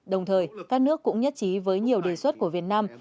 đồng thời các nước cũng nhất trí với nhiều đề xuất của việt nam